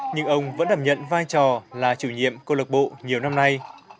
nhưng ông vẫn đảm nhận vai trò là chủ nhiệm công lạc bộ nhiều năm nay